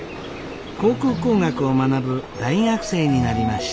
航空工学を学ぶ大学生になりました。